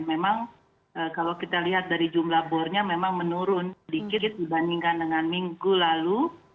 memang kalau kita lihat dari jumlah bornya memang menurun sedikit dibandingkan dengan minggu lalu